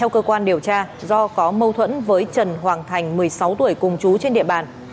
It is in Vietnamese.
cơ quan điều tra do có mâu thuẫn với trần hoàng thành một mươi sáu tuổi cùng chú trên địa bàn